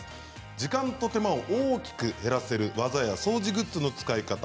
時間と手間を大きく減らせる技や掃除グッズの使い方